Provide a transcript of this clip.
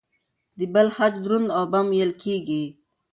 د بل خج دروند او بم وېل کېږي.